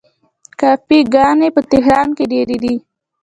کافې ګانې په تهران کې ډیرې دي.